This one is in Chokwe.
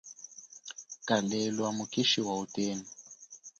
Kalelwa mukishi wa utenu.